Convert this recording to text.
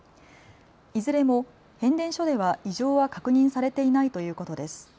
いずれも変電所では異常は確認されていないということです。